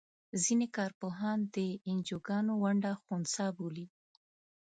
ځینې کار پوهان د انجوګانو ونډه خنثی بولي.